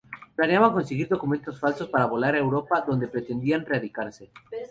Planeaban conseguir documentos falsos para volar a Europa, donde pretendían radicarse.